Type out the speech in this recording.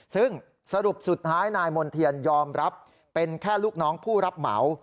ซึ่งสรุปสุดท้ายนายมณ์เทียนยอมรับเป็นแค่ลูกน้องผู้รับเหมา